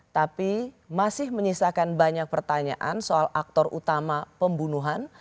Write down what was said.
tapi masih menyisakan banyak pertanyaan soal aktor utama pembunuhan